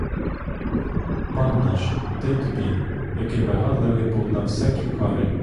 Пан наш — куди тобі, який вигадливий був на всякі кари!